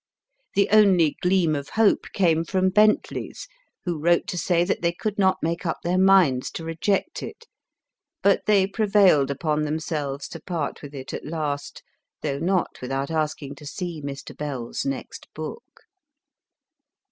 The only gleam of hope came from Bentleys, who wrote to say that they could not make up their minds to reject it ; but they prevailed upon themselves to part with it at last, though not without asking to see Mr. Bell s next book.